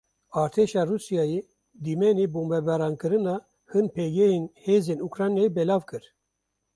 Artêşa Rûsyayê dîmenê bombebarankirina hin pêgehên hêzên Ukraynayê belav kir.